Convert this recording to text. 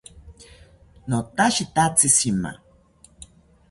Notashitatzi shima